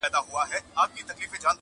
دوی پخپله هم یو بل سره وژله-